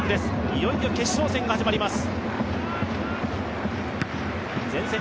いよいよ決勝戦が始まります。